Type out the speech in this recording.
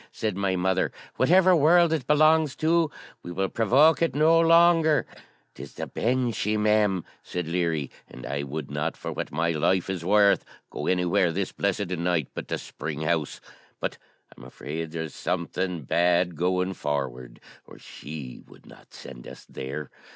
said my mother; 'whatever world it belongs to, we will provoke it no longer.' ''Tis the Banshee, ma'am,' said Leary; 'and I would not, for what my life is worth, go anywhere this blessed night but to Spring House. But I'm afraid there's something bad going forward, or she would not send us there.'